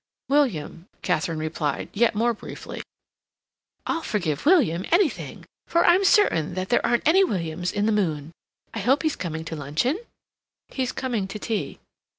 "William," Katharine replied yet more briefly. "I'll forgive William anything, for I'm certain that there aren't any Williams in the moon. I hope he's coming to luncheon?" "He's coming to tea."